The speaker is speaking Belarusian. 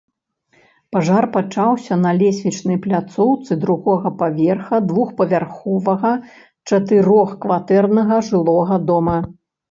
Пажар пачаўся на лесвічнай пляцоўцы другога паверха двухпавярховага чатырохкватэрнага жылога дома.